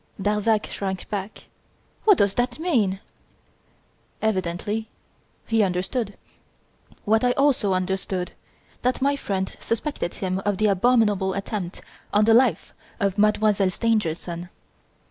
Darzac shrank back. "What does that mean?" Evidently he understood, what I also understood, that my friend suspected him of the abominable attempt on the life of Mademoiselle Stangerson.